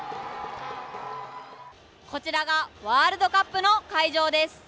こちらがワールドカップの会場です。